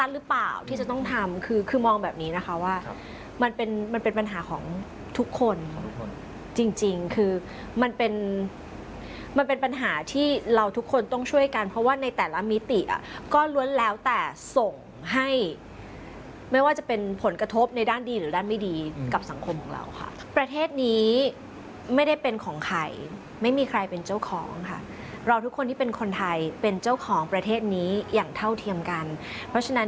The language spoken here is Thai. หรือเปล่าที่จะต้องทำคือคือมองแบบนี้นะคะว่ามันเป็นมันเป็นปัญหาของทุกคนจริงจริงคือมันเป็นมันเป็นปัญหาที่เราทุกคนต้องช่วยกันเพราะว่าในแต่ละมิติอ่ะก็ล้วนแล้วแต่ส่งให้ไม่ว่าจะเป็นผลกระทบในด้านดีหรือด้านไม่ดีกับสังคมของเราค่ะประเทศนี้ไม่ได้เป็นของใครไม่มีใครเป็นเจ้าของค่ะเราทุกคนที่เป็นคนไทยเป็นเจ้าของประเทศนี้อย่างเท่าเทียมกันเพราะฉะนั้น